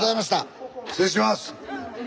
失礼します！